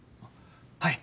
はい。